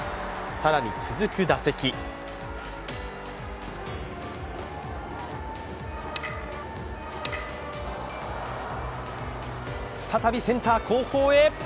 更に続く打席再びセンター後方へ。